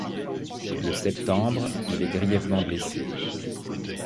Le septembre il est grièvement blessé.